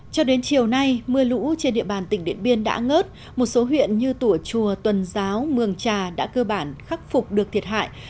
cho đến chiều nay mưa lũ trên địa bàn tỉnh điện biên đã ngớt một số huyện như tùa chùa tuần giáo mường trà đã cơ bản khắc phục được thiệt hại